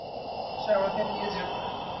সে আমাদের নিয়ে যাবে।